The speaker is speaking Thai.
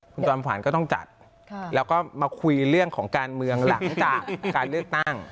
คุณจอมขวัญก็ต้องจัดแล้วก็มาคุยเรื่องของการเมืองหลังจากการเลือกตั้ง